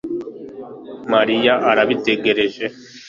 Mariya arabitegereje